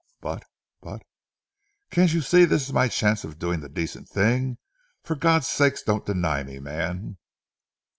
"But but " "Can't you see this is my chance of doing the decent thing? For God's sake don't deny me, man!"